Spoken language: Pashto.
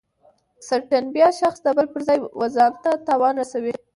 سرټنبه شخص د بل پر ځای و ځانته تاوان رسوي.